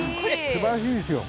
すばらしいですよ。